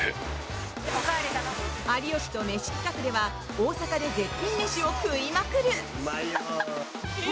「有吉とメシ」企画では大阪で絶品メシを食いまくる！